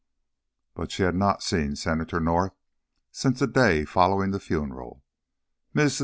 But she had not seen Senator North since the day following the funeral. Mrs.